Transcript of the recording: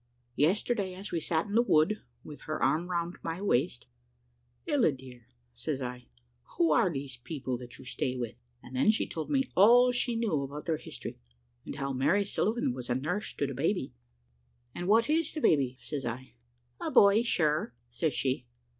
Yesterday as we sat in the wood, with her arm round my waist, `Ella, dear,' says I `who are these people that you stay with?' And then she told me all she knew about their history, and how Mary Sullivan was a nurse to the baby. "`And what is the baby?' says I. "`A boy, sure,' says she.